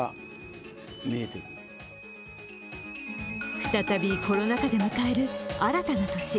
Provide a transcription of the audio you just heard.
再びコロナ禍で迎える新たな年。